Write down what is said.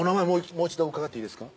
もう一度伺っていいですか？